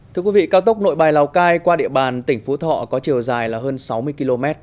thưa quý vị cao tốc nội bài lào cai qua địa bàn tỉnh phú thọ có chiều dài là hơn sáu mươi km